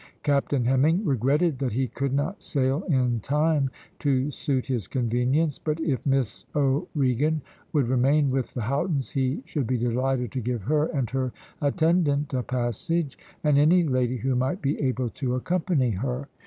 Captain Hemming regretted that he could not sail in time to suit his convenience, but if Miss O'Regan would remain with the Houghtons he should be delighted to give her and her attendant a passage, and any lady who might be able to accompany her.